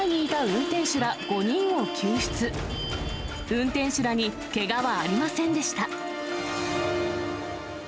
運転手らにけがはありませんでした。